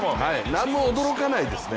何も驚かないですね。